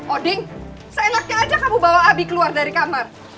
oding seenaknya aja kamu bawa abi keluar dari kamar